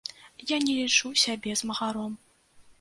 Я не лічу сябе змагаром.